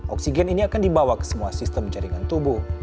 oksigen ini akan dibawa ke semua sistem jaringan tubuh